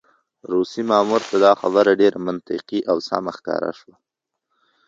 روسي مامور ته دا خبره ډېره منطقي او سمه ښکاره شوه.